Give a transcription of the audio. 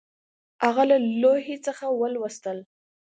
هغه له لوحې څخه ولوستل